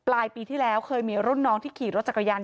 ปลายปีที่แล้วเคยมีรุ่นน้องที่ขี่รถจักรยาน